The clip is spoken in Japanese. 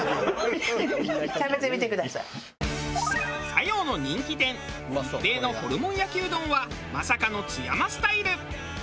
佐用の人気店一平のホルモン焼きうどんはまさかの津山スタイル。